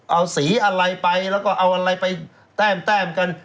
เอาสีอะไรไปแล้วก็เอาอะไรไปแต้มกัน